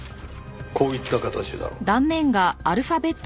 こういった形だろう。